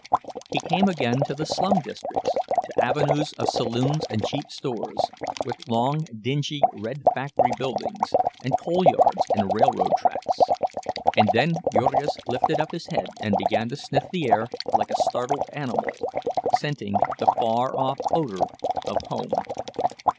He came again to the slum districts, to avenues of saloons and cheap stores, with long dingy red factory buildings, and coal yards and railroad tracks; and then Jurgis lifted up his head and began to sniff the air like a startled animal—scenting the far off odor of home.